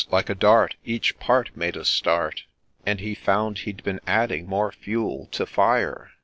— Like a dart Each part made a start, And he found he d been adding more fuel to fire.